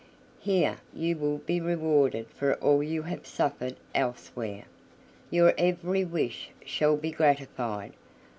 Here you will be rewarded for all you have suffered elsewhere. Your every wish shall be gratified.